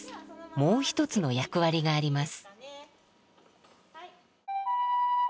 もう一つの役割があります。